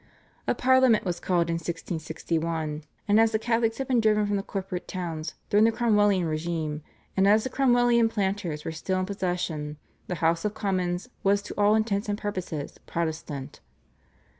A Parliament was called in 1661, and as the Catholics had been driven from the corporate towns during the Cromwellian régime and as the Cromwellian planters were still in possession, the House of Commons was to all intents and purposes Protestant.